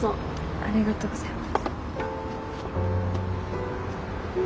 ありがとうございます。